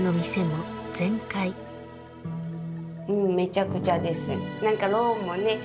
もうめちゃくちゃです。